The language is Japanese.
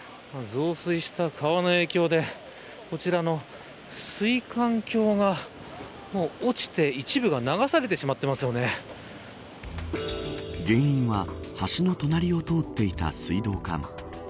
増水した川の影響でこちらの水管橋が落ちて一部が原因は橋の隣を通っていた水道管。